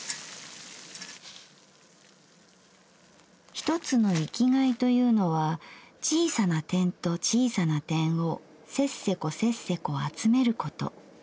「一つの生きがいというのは小さな点と小さな点をせっせこせっせこ集めること。